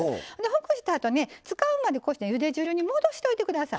ほぐしたあと、使うまでゆで汁に戻しておいてください。